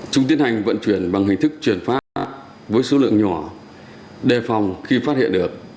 chúng tiến hành vận chuyển bằng hình thức chuyển phát với số lượng nhỏ đề phòng khi phát hiện được